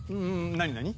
なになに？